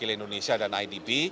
pak wakil indonesia dan idb